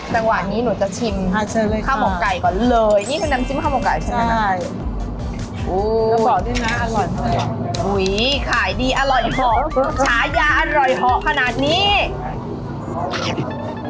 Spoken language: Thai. ตอนนี้หนูจะชิมข้าวหมวกไก่ก่อนเลย